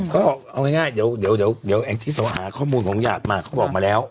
ก็เอาง่ายเดี๋ยวแองที่เขาหาข้อมูลของหยาดมาเขาบอกมาแล้ว